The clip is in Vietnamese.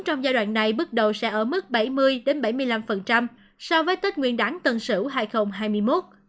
trong giai đoạn này bước đầu sẽ ở mức bảy mươi bảy mươi năm so với tết nguyên đáng tân sửu hai nghìn hai mươi một